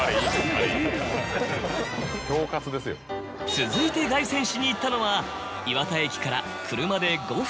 続いて凱旋しに行ったのは磐田駅から。